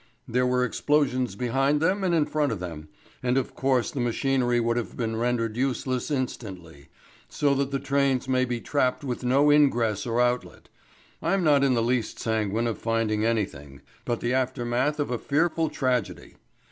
There were explosions behind them and in front of them, and of course the machinery would have been rendered useless instantly, so that the trains may be trapped with no ingress or outlet. I'm not in the least sanguine of finding anything, but the aftermath of a fearful tragedy.